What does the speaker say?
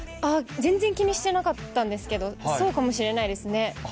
全然気にしてなかったんですけど、そうかもしれないですね。